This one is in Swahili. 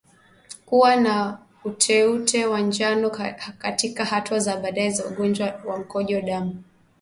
Kuwa na uteute wa njano katika hatua za baadaye za ugonjwa wa mkojo damu